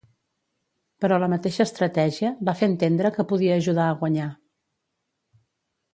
Però la mateixa estratègia va fer entendre que podia ajudar a guanyar.